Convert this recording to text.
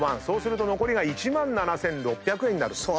そうすると残りが１万７，６００円になると。